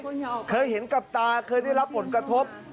คนอย่าออกไปเคยเห็นกับตาเคยได้รับกฎกระทบ